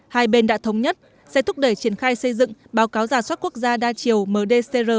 hai bên đã thống nhất sẽ thúc đẩy triển khai xây dựng báo cáo giả soát quốc gia đa chiều mdcr